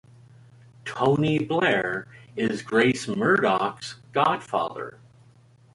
Tony Blair is Grace Murdoch's godfather.